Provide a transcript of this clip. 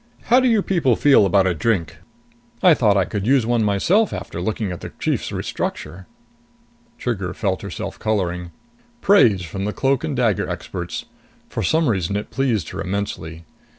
How do you people feel about a drink? I thought I could use one myself after looking at the chief's restructure." Trigger felt herself coloring. Praise from the cloak and dagger experts! For some reason it pleased her immensely.